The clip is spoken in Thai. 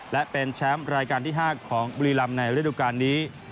และเป็นแชมป์รายการที่๕ของบุรีรำในฤดูการนี้